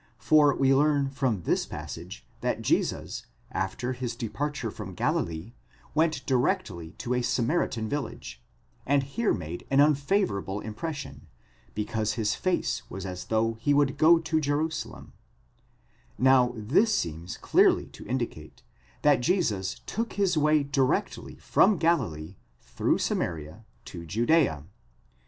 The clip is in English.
for we learn from this passage that Jesus, after his departure from Galilee, went directly to a Samaritan village, and here made an unfavourable impression, decause his face was as though he would go to Jeru salem, ὅτι τὸ πρόσωπον αὐτοῦ ἦν πορευόμενον εἰς Ἱερουσαλήμ. Now this seems clearly to indicate that Jesus took his way directly from Galilee, through Samaria, to Judzea.